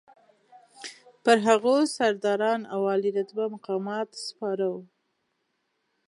پر هغو سرداران او عالي رتبه مقامات سپاره وو.